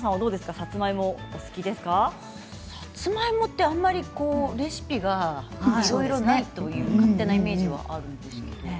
さつまいもってあまりレシピがいろいろないという勝手なイメージがあるんですけどね。